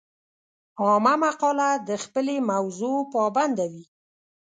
عامه مقاله د خپلې موضوع پابنده وي.